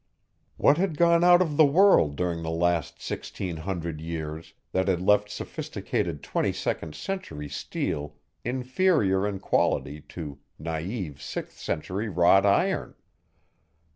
What had gone out of the world during the last sixteen hundred years that had left sophisticated twenty second century steel inferior in quality to naïve sixth century wrought iron?